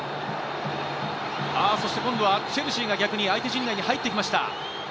今度はチェルシーが逆に相手陣内に入ってきました。